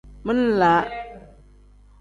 Min-laa.